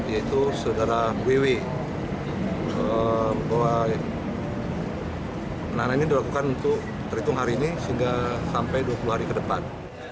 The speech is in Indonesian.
yaitu saudara ww bahwa penahanan ini dilakukan untuk terhitung hari ini sehingga sampai dua puluh hari ke depan